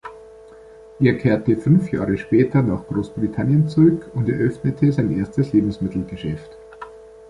Er kehrte fünf Jahre später nach Großbritannien zurück und eröffnete sein erstes Lebensmittelgeschäft.